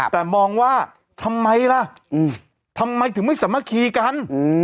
แต่มองว่าทำไมล่ะทำไมถึงไม่สามัคคีกัน